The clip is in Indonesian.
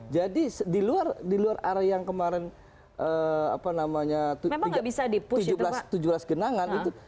jadi di luar area yang kemarin tujuh belas genangan itu